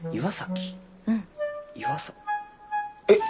えっ！？